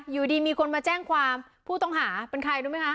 อยู่ดีมีคนมาแจ้งความผู้ต้องหาเป็นใครรู้ไหมคะ